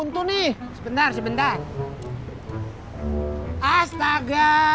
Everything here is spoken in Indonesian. ke kiri bang